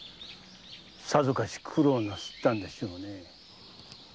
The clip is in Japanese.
さぞかし苦労なさったんでしょうねぇ。